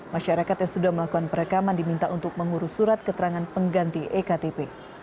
masyarakat yang sudah melakukan perekaman diminta untuk mengurus surat keterangan pengganti ektp